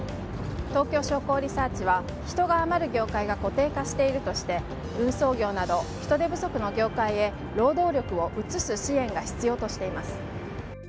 東京商工リサーチは人が余る業界が固定化しているとして運送業など人手不足の業界へ労働力を移す支援が必要としています。